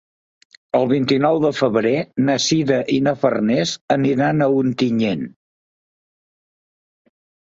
El vint-i-nou de febrer na Sira i na Farners iran a Ontinyent.